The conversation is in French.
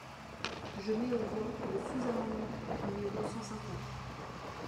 Je mets aux voix le sous-amendement numéro cent cinquante.